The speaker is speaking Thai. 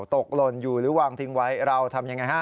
ตกลงอยู่หรือวางทิ้งไว้เราทำอย่างไร